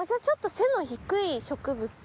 ちょっと背の低い植物？